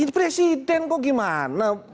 presiden kok gimana